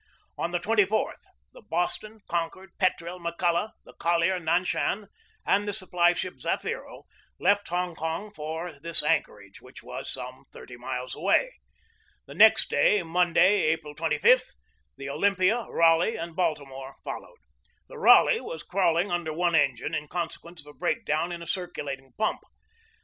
On the 24th the Boston, Con cord, Petrel, McCulloch, the collier Nanshan, and the supply ship Zafiro left Hong Kong for this anchor age, which was some thirty miles away. The next day, Monday, April 25, the Olympia, Raleigh, and Baltimore followed. The Raleigh was crawling under one engine in consequence of a break down in a cir culating pump.